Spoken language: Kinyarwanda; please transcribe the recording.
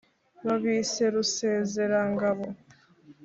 babise rusezerangabo